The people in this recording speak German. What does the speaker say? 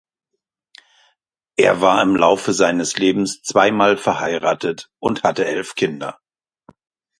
Er war im Laufe seines Lebens zweimal verheiratet und hatte elf Kinder.